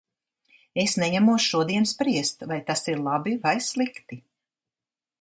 Es neņemos šodien spriest, vai tas ir labi vai slikti.